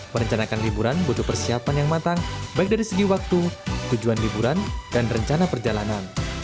merencanakan liburan butuh persiapan yang matang baik dari segi waktu tujuan liburan dan rencana perjalanan